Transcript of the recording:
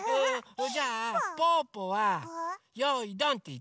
それじゃあぽぅぽは「よいどん」っていって。